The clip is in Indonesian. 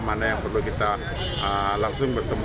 mana yang perlu kita langsung bertemu